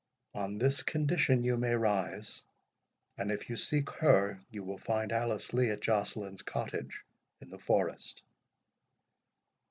On this condition you may rise; and if you seek her, you will find Alice Lee at Joceline's cottage, in the forest."